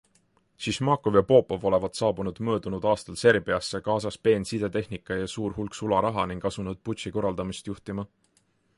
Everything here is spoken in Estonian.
Šišmakov ja Popov olevat saabunud möödunud aastal Serbiasse, kaasas peen sidetehnika ja suur hulk sularaha ning asunud putši korraldamist juhtima.